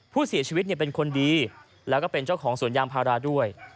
ผู้เสียชีวิตเป็นคนดีแล้วก็เป็นเจ้าของสวนยางพาราด้วย